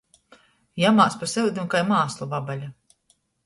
Jamās pa syudim kai māslu vabale.